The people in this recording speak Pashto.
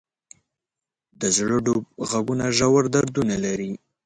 د زړه ډوب ږغونه ژور دردونه لري.